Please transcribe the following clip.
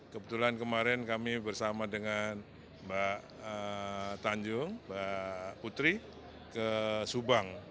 kebetulan kemarin kami bersama dengan mbak tanjung mbak putri ke subang